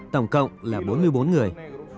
tổng cộng là bốn mươi bốn người